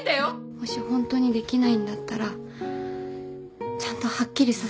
もしホントにできないんだったらちゃんとはっきりさせた。